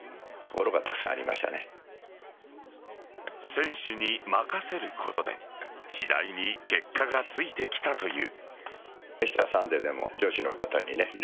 選手に任せることで次第に結果がついてきたという。